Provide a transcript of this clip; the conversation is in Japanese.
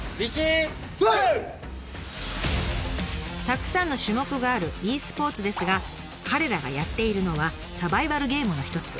たくさんの種目があるｅスポーツですが彼らがやっているのはサバイバルゲームの一つ。